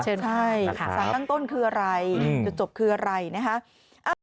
เชิญค่ะนะคะสร้างตั้งต้นคืออะไรจบคืออะไรนะครับ